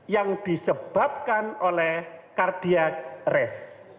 yang disebabkan oleh cardiac arrest